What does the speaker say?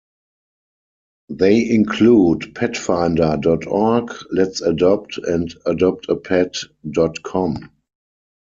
They include Petfinder dot org, Let's Adopt and Adopt-a-Pet dot com.